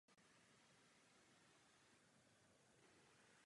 Základním stavební prvkem je vápenec.